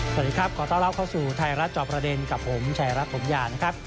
สวัสดีครับขอต้อนรับเข้าสู่ไทยรัฐจอบประเด็นกับผมชายรัฐถมยานะครับ